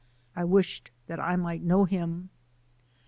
I wished that I might know him.